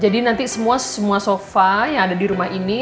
jadi nanti semua semua sofa yang ada di rumah ini